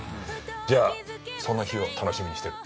じゃあその日を楽しみにしてる。